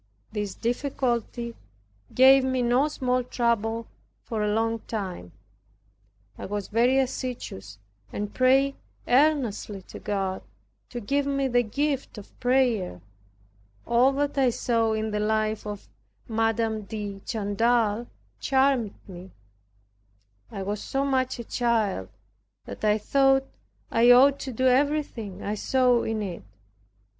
This difficulty gave me no small trouble, for a long time. I was very assiduous and prayed earnestly to God to give me the gift of prayer. All that I saw in the life of M. de Chantal charmed me. I was so much a child, that I thought I ought to do everything I saw in it.